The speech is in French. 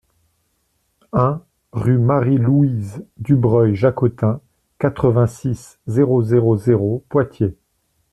un rUE MARIE-LOUISE DUBREUIL-JACOTIN, quatre-vingt-six, zéro zéro zéro, Poitiers